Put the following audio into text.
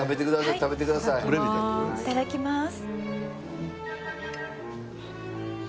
いただきます！